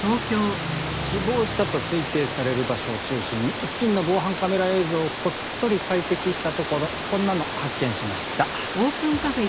死亡したと推定される場所を中心に付近の防犯カメラ映像をこっそり解析したところこんなの発見しました。